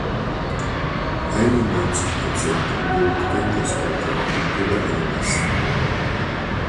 Einundneunzig Prozent lobten das Programm über alle Maßen.